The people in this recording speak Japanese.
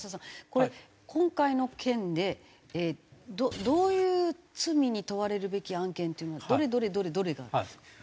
これ今回の件でどういう罪に問われるべき案件っていうのはどれどれどれどれがあるんですか？